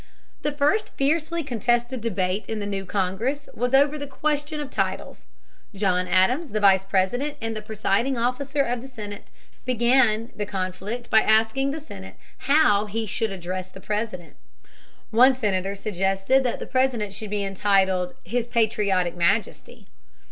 The first fiercely contested debate in the new Congress was over the question of titles. John Adams, the Vice President and the presiding officer of the Senate, began the conflict by asking the Senate how he should address the President. One senator suggested that the President should be entitled "His Patriotic Majesty."